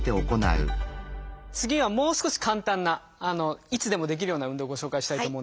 次はもう少し簡単ないつでもできるような運動をご紹介したいと思うんですけど。